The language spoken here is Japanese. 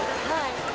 はい。